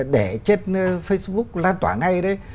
để trên facebook lan tỏa ngay đấy